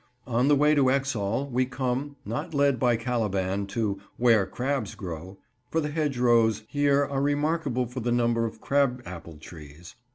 On the way to Exhall we come—not led by Caliban—to "where crabs grow," for the hedgerows here are remarkable for the number of crab apple trees.